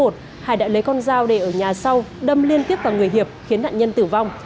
trong giao đề ở nhà sau đâm liên tiếp vào người hiệp khiến nạn nhân tử vong